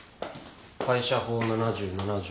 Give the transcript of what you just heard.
会社法７７条。